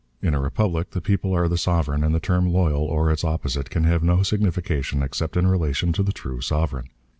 In a republic the people are the sovereign, and the term "loyal" or its opposite can have no signification except in relation to the true sovereign.